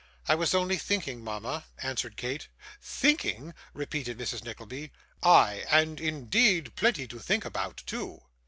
'I was only thinking, mama,' answered Kate. 'Thinking!' repeated Mrs. Nickleby. 'Ay, and indeed plenty to think about, too.